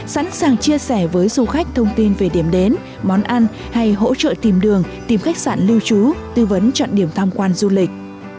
sẵn sàng chia sẻ với du khách thông tin về điểm đến món ăn hay hỗ trợ tìm đường tìm khách sạn lưu trú tư vấn chọn điểm tham quan du lịch